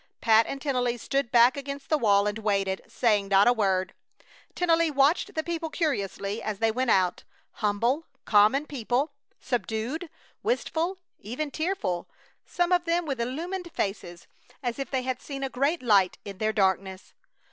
Pat and Tennelly stood back against the wall and waited, saying not a word. Tennelly watched the people curiously as they went out: humble, common people, subdued, wistful, even tearful; some of them with illumined faces as if they had seen a great light in their darkness.